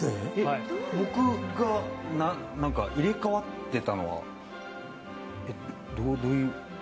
僕が入れ代わってたのはどういう？